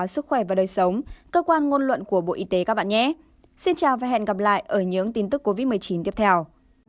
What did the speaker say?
xin chào và hẹn gặp lại ở những tin tức covid một mươi chín tiếp theo